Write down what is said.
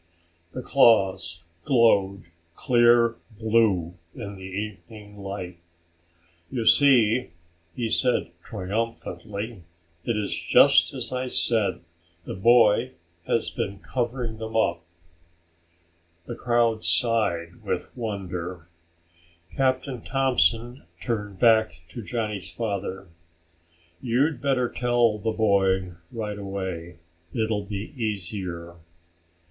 The claws glowed clear blue in the evening light. "You see," he said, triumphantly, "it is just as I said. The boy has been covering them up." The crowd sighed with wonder. Captain Thompson turned back to Johnny's father. "You'd better tell the boy right away. It will be easier."